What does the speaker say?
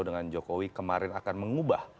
dengan jokowi kemarin akan mengubah